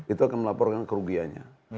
itu akan melaporkan kerugiannya